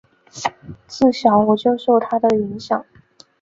自小我就受他的影响